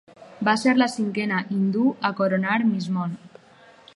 Va ser la cinquena Hindú a coronar Miss Món.